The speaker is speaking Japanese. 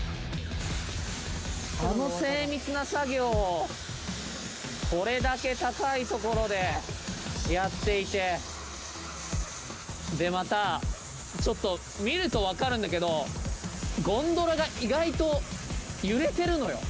あの精密な作業をこれだけ高いところでやっていてで、また、ちょっと見ると分かるんだけどゴンドラが意外と揺れているのよ。